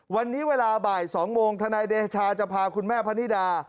วันนี้เวลาบ่าย๒โมงทนายเดชาจะพาคุณแม่พนิดา